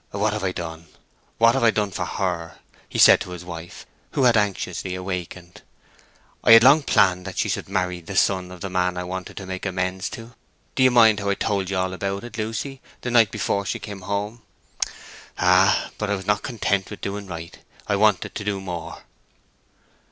"What have I done—what have I done for her?" he said to his wife, who had anxiously awakened. "I had long planned that she should marry the son of the man I wanted to make amends to; do ye mind how I told you all about it, Lucy, the night before she came home? Ah! but I was not content with doing right, I wanted to do more!"